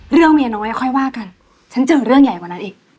เมียน้อยค่อยว่ากันฉันเจอเรื่องใหญ่กว่านั้นอีก